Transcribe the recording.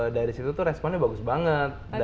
dari situ tuh responnya bagus banget